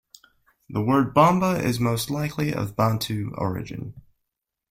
The word "bomba" is most likely of Bantu origin.